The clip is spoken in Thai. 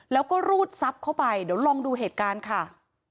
แล้วก็รูดทรัพย์เข้าไปเดี๋ยวลองดูเหตุการณ์ค่ะ